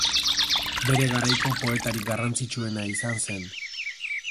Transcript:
Bere garaiko poetarik garrantzitsuena izan zen.